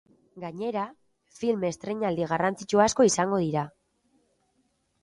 Gainera, film estreinaldi garrantzitsu asko izango dira.